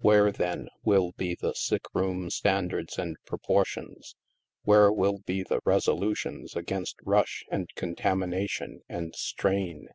Where, then, will be the sick room standards and proportions? Where will be the resolutions against rush, and contamination, and strain?